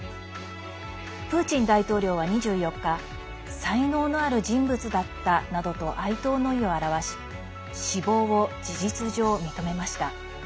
プーチン大統領は２４日才能のある人物だったなどと哀悼の意を表し死亡を事実上認めました。